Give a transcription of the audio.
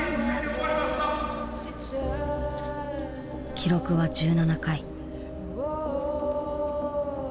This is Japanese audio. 記録は１７回。